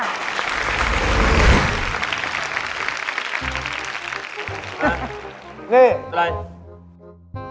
นี่